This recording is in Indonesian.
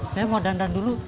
saya mau dandan dulu